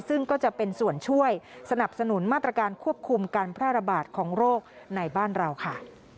ซึ่งก็จะเป็นส่วนช่วยสนับสนุนมาตรการควบคุมการแพร่ระบาดของโรคในบ้านเราค่ะ